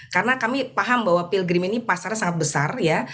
karena kami paham bahwa pilgrim ini pasarnya sangat besar ya